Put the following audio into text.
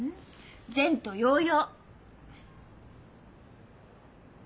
前途洋々！